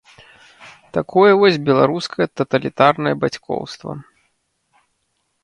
Такое вось беларускае таталітарнае бацькоўства.